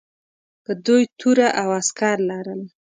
که دوی توره او عسکر لرل.